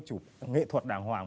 chụp nghệ thuật đàng hoàng